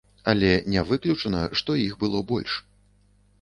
Але не выключана, што іх было больш.